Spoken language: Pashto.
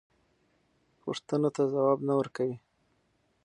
پوښتنو ته ځواب نه ورکوي.